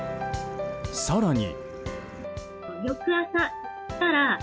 更に。